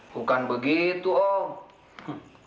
bukan begitu om